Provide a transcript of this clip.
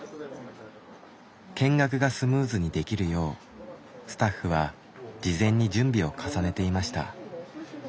見学がスムーズにできるようスタッフは事前に準備を重ねていました。